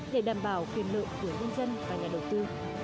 để đảm bảo quyền lợi của nhân dân và nhà đầu tư